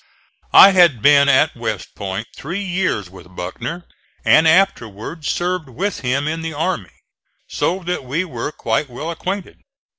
I had been at West Point three years with Buckner and afterwards served with him in the army, so that we were quite well acquainted.